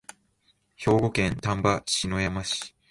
兵庫県丹波篠山市